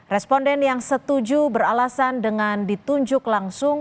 responden yang setuju beralasan dengan ditunjuk langsung